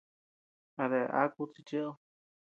¿A dea akud chi cheʼed?